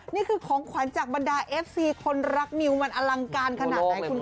นี่คือของขวัญจากบรรดาเอฟซีคนรักมิวมันอลังการขนาดไหนคุณคะ